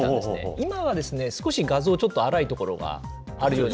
今は少し画像ちょっと粗いところがあるように。